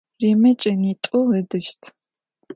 Римэ джэнитӏу ыдыщт.